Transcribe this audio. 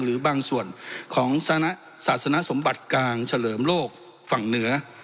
หรือบางส่วนของศาสนสมบัติกลางเฉลิมโลกฝั่งเหนือ